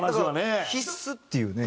必須っていうね。